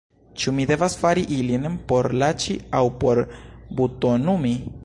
Ĉu mi devas fari ilin por laĉi aŭ por butonumi?